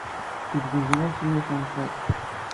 Tezzegzew-as yiwet n tiṭ.